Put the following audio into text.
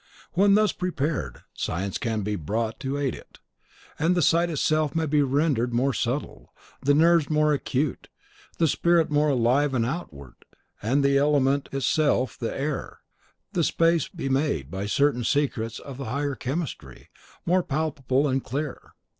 When thus prepared, science can be brought to aid it; the sight itself may be rendered more subtle, the nerves more acute, the spirit more alive and outward, and the element itself the air, the space may be made, by certain secrets of the higher chemistry, more palpable and clear.